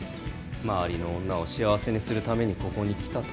周りの女を幸せにするためにここに来たと。